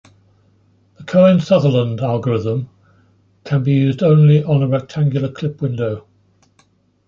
The Cohen-Sutherland algorithm can be used only on a rectangular clip window.